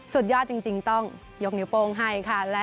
สุดยอดจริงต้องยกนิ้วโป้งให้ค่ะ